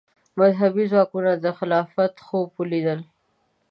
مذهبي ځواکونو د خلافت خوب ولید